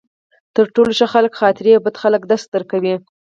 تر ټولو ښه خلک خاطرې او بد خلک درس درکوي.